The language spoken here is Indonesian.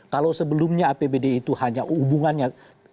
kalau sebelumnya apbd itu hanya hubungannya